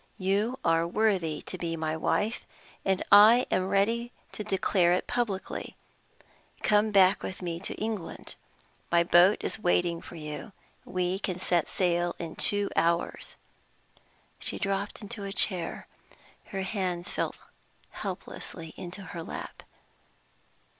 You are worthy to be my wife, and I am ready to declare it publicly. Come back with me to England. My boat is waiting for you; we can set sail in two hours." She dropped into a chair; her hands fell helplessly into her lap.